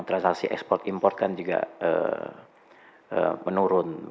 transaksi ekspor import kan juga menurun